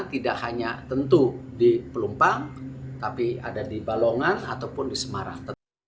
tidak hanya tentu di pelumpang tapi ada di balongan ataupun di semarang